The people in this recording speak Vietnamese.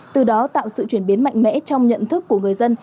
từ đó tạo sự chuyển biến mạnh mẽ trong nhận thức của người dân